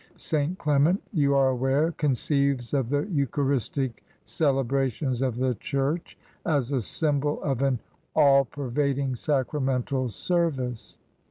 St. Clement, you are aware, conceives of the Eucharistic celebrations of the church as a symbol of an all pervading sacramental service."